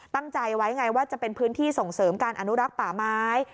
ตั้งใจไว้ไงว่าจะเป็นพื้นที่ส่งเสริมการอนุรักษ์ป่าไม้